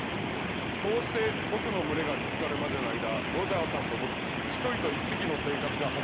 そうして僕の群れが見つかるまでの間ロジャーさんと僕一人と一匹の生活が始まった。